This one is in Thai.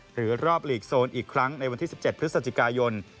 หรือรอบหลีกโซนอีกครั้งในวันที่๑๗พฤศจิกายน